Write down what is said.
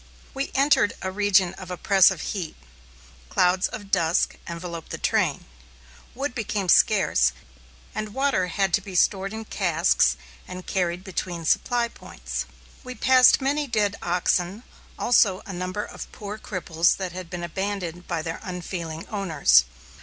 We entered a region of oppressive heat. Clouds of dust enveloped the train. Wood became scarce, and water had to be stored in casks and carried between supply points. We passed many dead oxen, also a number of poor cripples that had been abandoned by their unfeeling owners.